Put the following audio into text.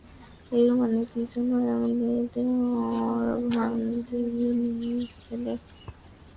এর মানে কি জানো, অ্যামলেথ- অরভান্দিলের ছেলে?